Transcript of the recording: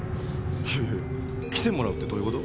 いやいやいや来てもらうってどういうこと？